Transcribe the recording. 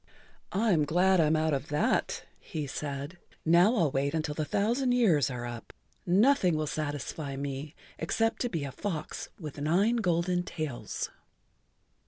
"I'm glad I'm out of that," he said. "Now I'll wait until the thousand years are up. Nothing will satisfy me except to be a fox with nine golden tails."